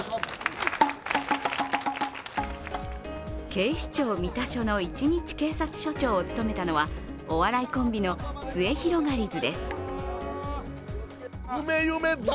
警視庁三田署の一日警察署長を務めたのはお笑いコンビのすゑひろがりずです。